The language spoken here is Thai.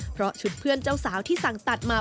เพราะชุดเพื่อนเจ้าสาวที่สั่งตัดมา